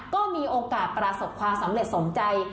ก็มีโอกาสประสบความสำเร็จสมใจ